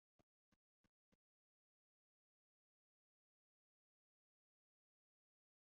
gucishiriza no guhitamo mu byitegererezo binyuranye